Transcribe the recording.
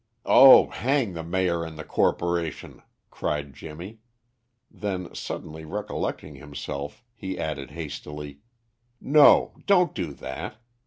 "Oh, hang the Mayor and the Corporation!" cried Jimmy; then, suddenly recollecting himself, he added, hastily, "No, don't do that.